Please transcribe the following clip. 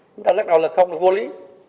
chúng ta lắc đầu là không là vô lý